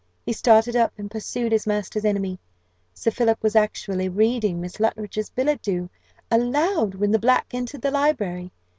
He started up, and pursued his master's enemy. Sir Philip was actually reading Miss Luttridge's billet doux aloud when the black entered the library.